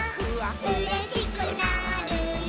「うれしくなるよ」